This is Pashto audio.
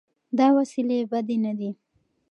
دا وسیلې بدې نه دي.